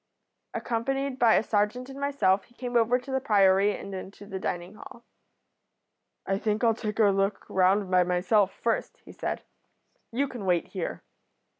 Accompanied by a serjeant and myself he came over to the Priory and into the dining hall. "'I think I'll take a look round by myself first,' he said. 'You can wait here.'